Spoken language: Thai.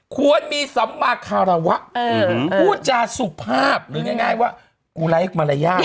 ควรมีสัมมาคารวะพูดจาสุภาพหรือง่ายว่ากูไร้มารยาท